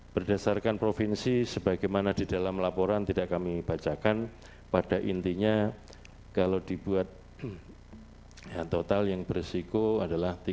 berdasarkan provinsi sebagaimana di dalam laporan tidak kami bacakan pada intinya kalau dibuat total yang berisiko adalah tiga ratus tiga puluh delapan sembilan ratus dua puluh empat orang